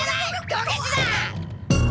ドケチだ！